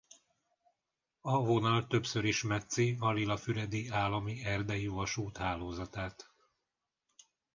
A vonal többször is metszi a Lillafüredi Állami Erdei Vasút hálózatát.